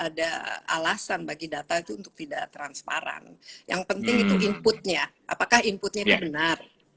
ada alasan bagi data itu untuk tidak transparan yang penting itu inputnya apakah inputnya itu benar